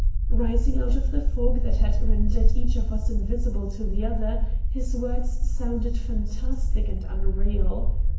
Rising out of the fog that had rendered each of us invisible to the other, his words sounded fantastic and unreal.